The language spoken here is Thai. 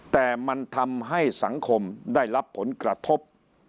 แต่มันทำให้สังคมได้รับผลกระทบ